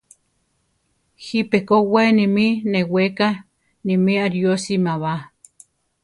Jipe ko we nimí neweká nimí ariósima ba.